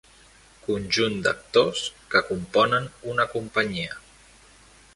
Conjunt d'actors que componen una companyia.